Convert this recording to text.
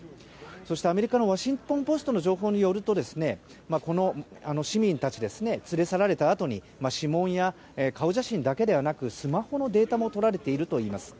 そして、アメリカのワシントン・ポストの情報によるとこの市民たち連れ去られたあとに指紋や顔写真だけではなくスマホのデータもとられているといいます。